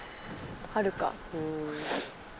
あるか。